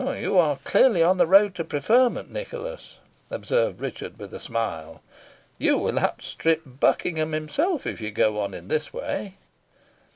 "You are clearly on the road to preferment, Nicholas," observed Richard, with a smile. "You will outstrip Buckingham himself, if you go on in this way."